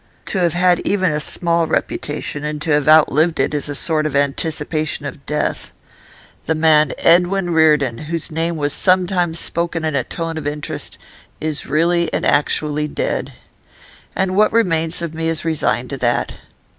'To have had even a small reputation, and to have outlived it, is a sort of anticipation of death. The man Edwin Reardon, whose name was sometimes spoken in a tone of interest, is really and actually dead. And what remains of me is resigned to that.